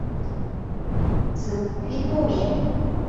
子必不免。